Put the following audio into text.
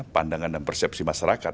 pandangan dan persepsi masyarakat